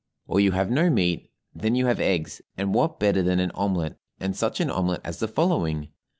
Or you have no meat, then you have eggs, and what better than an omelet and such an omelet as the following?